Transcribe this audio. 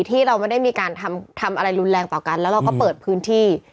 ที่เราไม่ได้มีการทำอะไรรุนแรงต่อกันแล้วเราก็เปิดพื้นที่